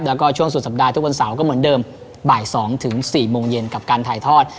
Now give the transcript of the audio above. แล้วก็ช่วงสุดสัปดาห์ทุกวันเสาร์ก็เหมือนเดิมบ่าย๒ถึง๔โมงเย็นกับการถ่ายทอด